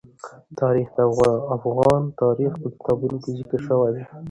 تاریخ د افغان تاریخ په کتابونو کې ذکر شوی دي.